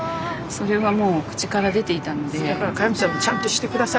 それはもう口から出ていたので。